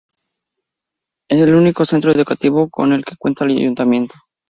Es el único centro educativo con el que cuenta el ayuntamiento.